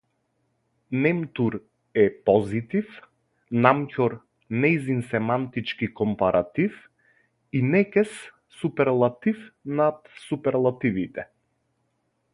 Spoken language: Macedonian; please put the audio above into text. Немтур е позитив, намќор нејзин семантички компаратив и некез суперлатив над суперлативите.